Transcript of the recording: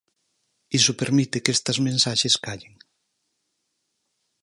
Iso permite que estas mensaxes callen.